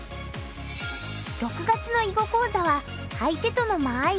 ６月の囲碁講座は相手との間合いがテーマ。